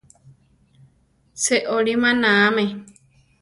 Seolí manáame.